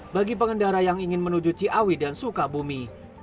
bagi pengendara yang ingin menuju ciawi dan sukabumi